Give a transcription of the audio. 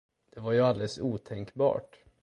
Det var ju alldeles otänkbart.